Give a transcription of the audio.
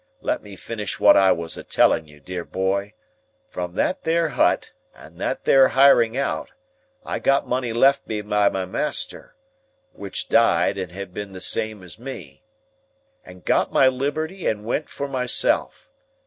Let me finish wot I was a telling you, dear boy. From that there hut and that there hiring out, I got money left me by my master (which died, and had been the same as me), and got my liberty and went for myself.